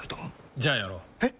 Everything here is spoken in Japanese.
じゃあやろう。え？